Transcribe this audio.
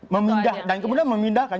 memindah dan kemudian memindahkan